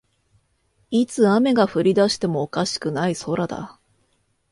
いつ雨が降りだしてもおかしくない空だ